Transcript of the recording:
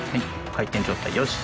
回転状態よし。